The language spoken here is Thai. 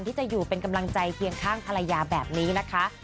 ที่จะอยู่เป็นกำลังใจเคียงข้างภรรยาแบบนี้นะคะ